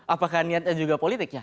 apakah niatnya juga politik ya